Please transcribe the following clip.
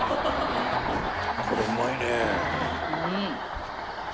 これうまいね。